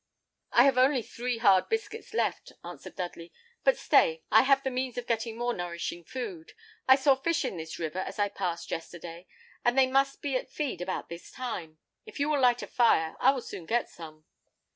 "I have only three hard biscuits left," answered Dudley; "but stay, I have the means of getting more nourishing food. I saw fish in this river as I passed yesterday, and they must be at feed about this time. If you will light a fire, I will soon get some."